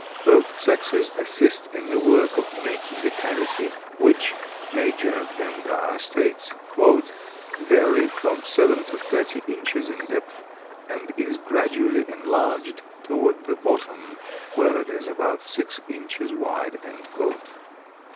Both sexes assist in the work of making the cavity which, Major Bendire states, "vary from seven to thirty inches in depth, and is gradually enlarged toward the bottom, where it is about six inches wide."